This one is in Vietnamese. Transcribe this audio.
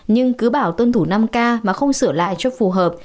nhưng cứ bảo tuân thủ năm k mà không sửa lại cho phù hợp